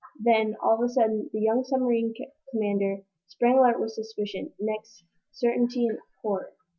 Then, all of a sudden, the young submarine commander sprang alert with suspicion next, certainty and horror!